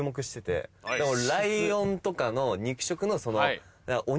ライオンとかの肉食の。